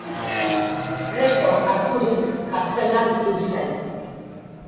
Preso harturik, kartzelan hil zen.